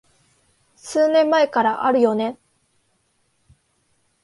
数年前からあるよね